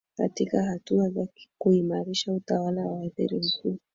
katika hatua za kuimarisha utawala wa waziri mkuu